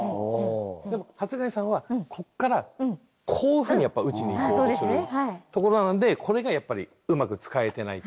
でも初谷さんはここからこういうふうにやっぱり打ちにいこうとするところなのでこれがやっぱりうまく使えてない。